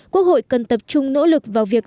quốc hội cần tập trung nỗ lực vào việc